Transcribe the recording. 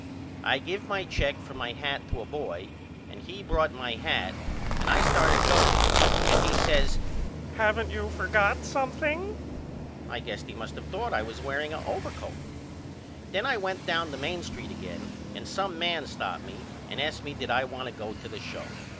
I give my check for my hat to a boy and he brought my hat and I started going and he says Haven't you forgot something? I guess he must of thought I was wearing a overcoat. Then I went down the Main Street again and some man stopped me and asked me did I want to go to the show.